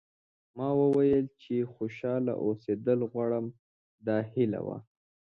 ما وویل چې خوشاله اوسېدل غواړم دا هیله وه.